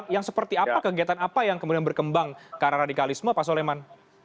yang seperti apa kegiatan apa yang kemudian berkembang karena radikalisme pak soleman